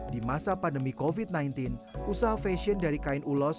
di masa pandemi covid sembilan belas usaha fashion dari kain ulos